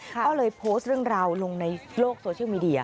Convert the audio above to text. ก็เลยโพสต์เรื่องราวลงในโลกโซเชียลมีเดีย